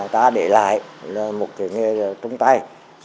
ta để lại là một cái nghề trong tay